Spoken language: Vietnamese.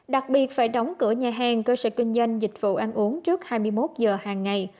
đặc biệt phải đóng cửa nhà hàng cơ sở kinh doanh dịch vụ ăn uống trước hai mươi một giờ hàng ngày